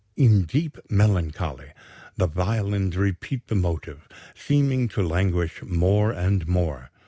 In deep melancholy the violins repeat the motive, seeming to languish more and more.